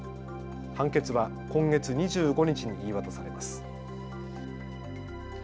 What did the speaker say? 判決は今月２５日に言い渡されます。